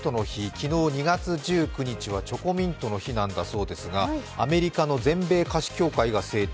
昨日２月１９日はチョコミントの日なんだそうですがアメリカの全米菓子協会が制定。